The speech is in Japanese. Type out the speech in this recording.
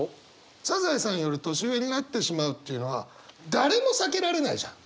サザエさんより年上になってしまうっていうのは誰も避けられないじゃん。